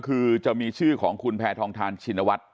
คือจะมีชื่อของคุณแพทองทานชินวัฒน์